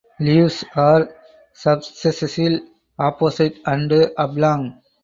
Leaves are subsessile opposite and oblong.